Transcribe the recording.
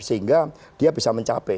sehingga dia bisa mencapai